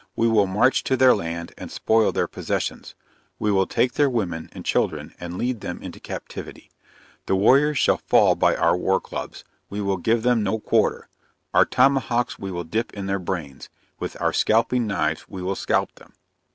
We will march to their land and spoil their possessions. We will take their women and children, and lead them into captivity. The warriors shall fall by our war clubs we will give them no quarter. Our tomahawks we will dip in their brains! with our scalping knives we will scalp them."